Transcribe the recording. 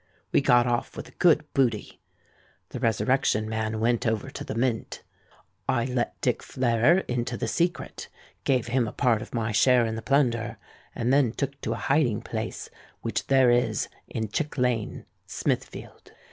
We got off with a good booty. The Resurrection Man went over to the Mint: I let Dick Flairer into the secret, gave him a part of my share in the plunder, and then took to a hiding place which there is in Chick Lane, Smithfield.